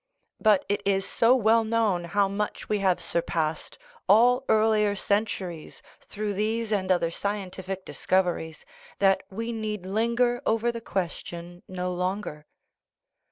But it is so well known how much we have sur passed all earlier centuries through these and other sci entific discoveries that we need linger over the question no longer.